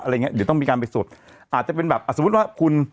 อย่างเงี้เดี๋ยวต้องมีการไปสุดอาจจะเป็นแบบอ่ะสมมุติว่าคุณ